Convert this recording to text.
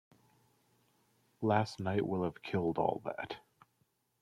Last night will have killed all that.